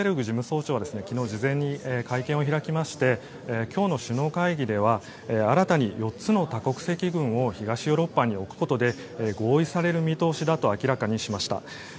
事務総長は昨日、事前に会見を開きまして今日の首脳会議では新たに４つの多国籍軍を東ヨーロッパに置くことで合意される見通しだと明らかにしました。